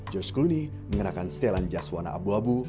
george clooney mengenakan setelan jazz warna abu abu